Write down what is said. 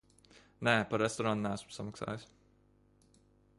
Nē, par restorānu neesmu samaksājis.